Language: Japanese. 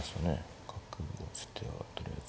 角を打つ手はとりあえず。